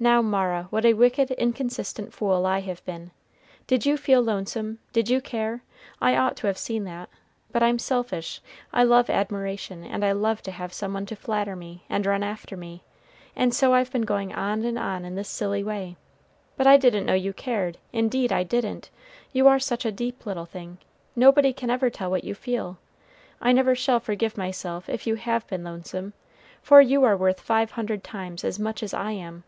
"Now, Mara, what a wicked, inconsistent fool I have been! Did you feel lonesome? did you care? I ought to have seen that; but I'm selfish, I love admiration, and I love to have some one to flatter me, and run after me; and so I've been going on and on in this silly way. But I didn't know you cared indeed, I didn't you are such a deep little thing. Nobody can ever tell what you feel. I never shall forgive myself, if you have been lonesome, for you are worth five hundred times as much as I am.